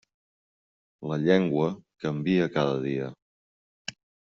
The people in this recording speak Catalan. La llengua canvia cada dia.